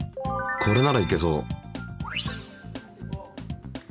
これならいけそう。